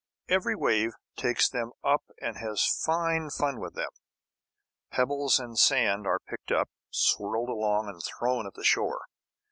Every wave takes them up and has fine fun with them. Pebbles and sand are picked up, swirled along, and thrown at the shore.